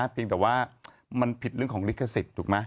เพียงแต่ว่ามันผิดเรื่องของริกษิตถูกมั้ย